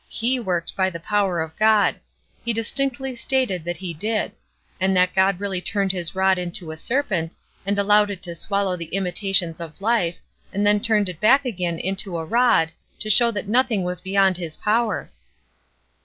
He worked by the power of God; he distinctly stated that he did; and that God really turned his rod into a serpent, and allowed it to swallow the imitations of life, and then turned it back again into a rod, to show that nothing was beyond his power."